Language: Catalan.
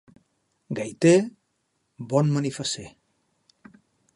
Gaiter, bon manifasser.